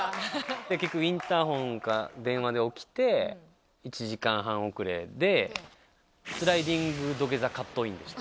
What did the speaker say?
結局インターホンか電話で起きて１時間半遅れでスライディング土下座カットインでした。